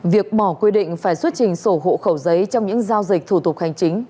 việc bỏ quy định phải xuất trình sổ hộ khẩu giấy trong những giao dịch thủ tục hành chính